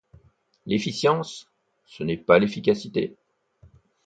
L'efficience, ce n'est pas l'efficacité.